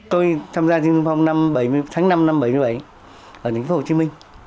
tôi tham gia sung phong tháng năm năm bảy mươi bảy ở tp hcm